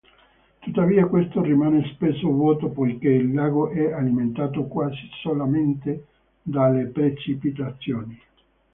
Tuttavia questo rimane spesso vuoto poiché il lago è alimentato quasi solamente dalle precipitazioni.